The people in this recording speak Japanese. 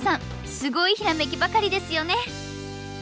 すごいヒラメキばかりですよね！